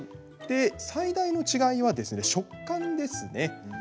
最大の違いは食感ですね。